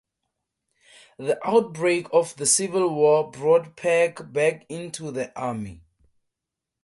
The outbreak of the Civil War brought Peck back into the army.